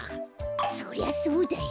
そりゃそうだよ。